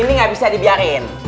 ini gak bisa dibiarin